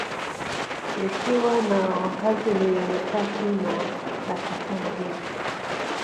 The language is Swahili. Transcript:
Likiwa na wakazi milioni tatu na laki tano hivi